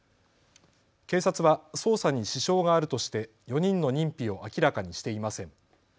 警察は捜査に支障があるとして４人の認否を明らかにしていません。